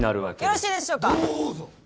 よろしいでしょうかどうぞ！